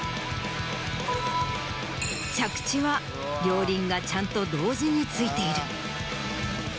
着地は両輪がちゃんと同時についている。